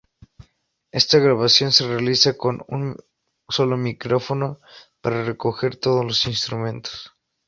Esta grabación se realiza con un solo micrófono para recoger todos los instrumentos.